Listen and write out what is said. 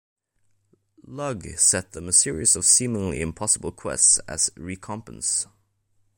Lug set them a series of seemingly impossible quests as recompense.